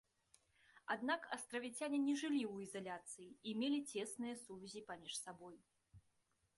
Аднак астравіцяне не жылі ў ізаляцыі і мелі цесныя сувязі паміж сабой.